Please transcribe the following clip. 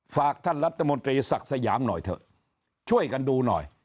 ฝากท่านรัฐมนตรีศักดิ์สยามหน่อยเถอะช่วยกันดูหน่อย